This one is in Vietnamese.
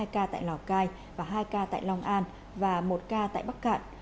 hai ca tại lào cai và hai ca tại long an và một ca tại bắc cạn